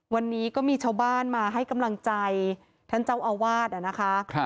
วันนี้ก็มีชาวบ้านมาให้กำลังใจท่านเจ้าอาวาสนะคะ